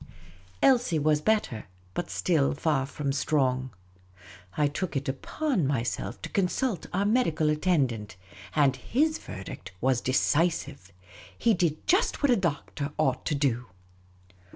Elsie was better, but still far from strong. I took it upon me to consult our medical attendant ; and his verdict Wiis decisive. He did just what a doctor ought to do.